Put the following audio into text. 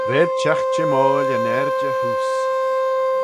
Reiltagh çhymmoil yn irjey heose!